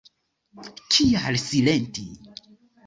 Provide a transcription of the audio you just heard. Kial silenti?